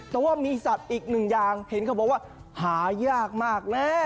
แต่ว่ามีสัตว์อีกหนึ่งอย่างเห็นเขาบอกว่าหายากมากแล้ว